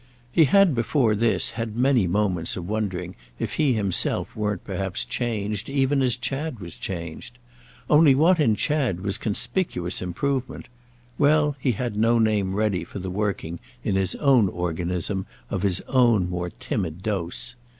He had before this had many moments of wondering if he himself weren't perhaps changed even as Chad was changed. Only what in Chad was conspicuous improvement—well, he had no name ready for the working, in his own organism, of his own more timid dose.